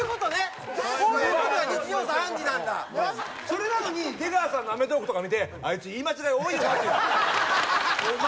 それなのに出川さんの『アメトーーク』とか見てあいつ言い間違い多いよなって言ってる。